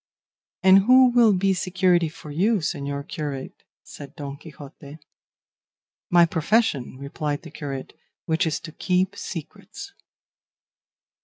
"And who will be security for you, señor curate?" said Don Quixote. "My profession," replied the curate, "which is to keep secrets."